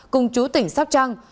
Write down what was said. cùng chú tỉnh sóc trăng